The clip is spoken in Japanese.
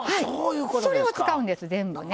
それを使うんです、全部ね。